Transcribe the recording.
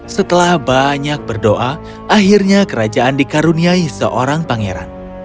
setelah banyak berdoa akhirnya kerajaan dikaruniai seorang pangeran